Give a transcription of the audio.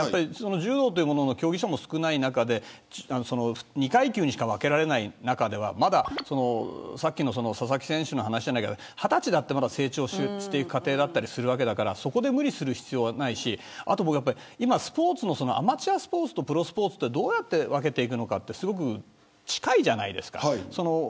柔道というものの競技者も少ない中で２階級にしか分けられない中ではさっきの佐々木選手の話じゃないけど二十歳だって成長していく過程だったりするわけだからそこで無理する必要はないしアマチュアスポーツとプロスポーツってどうやって分けていくのかって近いじゃないですか。